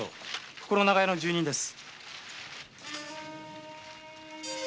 この長屋の住人です。